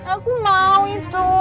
aku mau itu